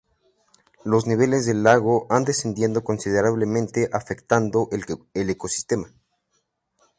Los niveles del lago han descendido considerablemente afectando el ecosistema.